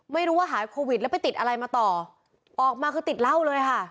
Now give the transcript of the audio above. ไม่รู้ว่าหายโควิดแล้วไปติดอะไรมาต่อออกมาคือติดเหล้าเลยค่ะ